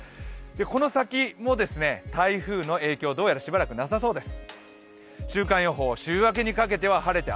この先も、台風の影響どうやらしばらくなさそうです。